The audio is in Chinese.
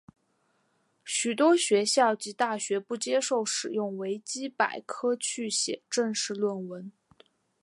许多学校及大学不接受使用维基百科去写正式论文。